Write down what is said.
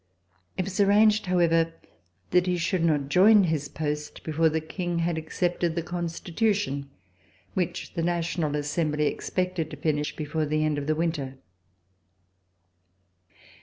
It was arranged, however, that he should not join his post before the King had accepted the Constitution, which the National As sembly expected to finish before the end of the winter.